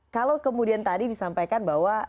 kalau kemudian tadi disampaikan bahwa